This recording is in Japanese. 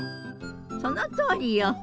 そのとおりよ。